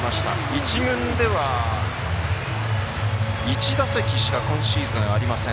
一軍では１打席しか今シーズンありません。